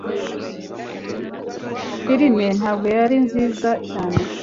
filime ntabwo yari nziza cyane